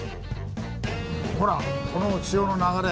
ほらこの潮の流れ。